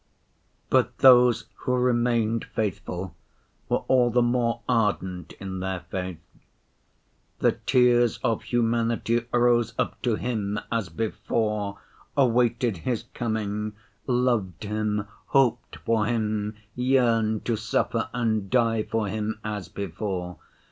But those who remained faithful were all the more ardent in their faith. The tears of humanity rose up to Him as before, awaited His coming, loved Him, hoped for Him, yearned to suffer and die for Him as before.